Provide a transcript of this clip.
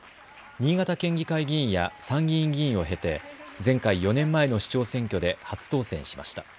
新潟県議会議員や参議院議員を経て前回・４年前の市長選挙で初当選しました。